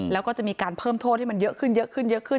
แล้วก็จะมีการเพิ่มโทษให้มันเยอะขึ้นเยอะขึ้นเยอะขึ้น